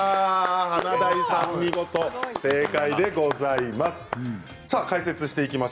華大さん、見事正解でございます。